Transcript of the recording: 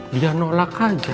dia nolak aja